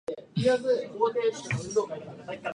秋田県八郎潟町